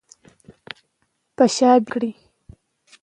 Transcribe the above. په شا به یې کړې.